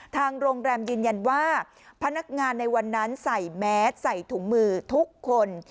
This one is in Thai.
ทางโรงแรมยืนยันว่าพนักงานในวันนั้นใส่แมสใส่ถุงมือทุกคน